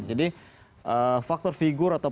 jadi faktor figur atau